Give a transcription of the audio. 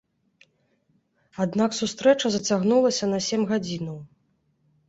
Аднак сустрэча зацягнулася на сем гадзінаў.